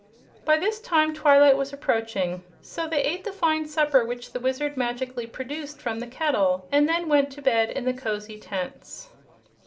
By this time twilight was approaching, so they ate the fine supper which the Wizard magically produced from the kettle and then went to bed in the cozy tents.